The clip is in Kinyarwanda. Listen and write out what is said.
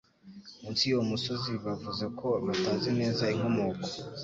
munsi y'uwo musozi bavuze ko batazi neza inkomoko